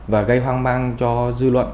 và gây hoang mang cho dư luận